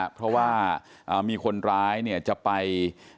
เพราะว่ามีคนร้ายจะไป